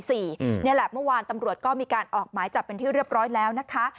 นี่แหละเมื่อวานตำรวจก็มีการออกหมายจับเป็นที่เรียบร้อยแล้วนะคะ